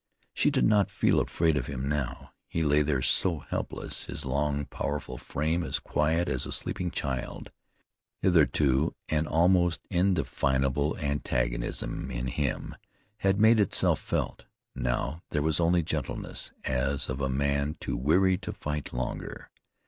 She did not feel afraid of him now. He lay there so helpless, his long, powerful frame as quiet as a sleeping child's! Hitherto an almost indefinable antagonism in him had made itself felt; now there was only gentleness, as of a man too weary to fight longer.